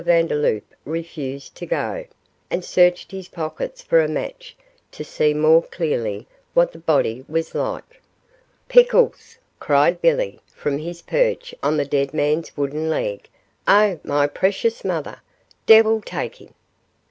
Vandeloup refused to go, and searched his pockets for a match to see more clearly what the body was like. 'Pickles,' cried Billy, from his perch on the dead man's wooden leg; 'oh, my precious mother, devil take him.